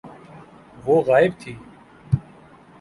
وہ غائب تھی۔